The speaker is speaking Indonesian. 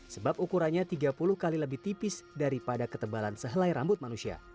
sebab ukurannya tiga puluh kali lebih tipis daripada ketebalan sehelai rambut manusia